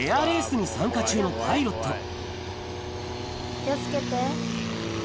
気を付けて。